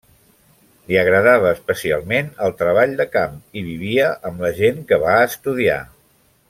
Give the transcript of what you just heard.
Li agradava especialment el treball de camp i vivia amb la gent que va estudiar.